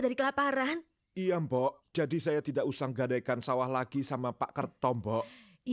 dari kelaparan iya mbok jadi saya tidak usahrecan sawah lagi sama pak kertombo iya